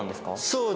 そうです。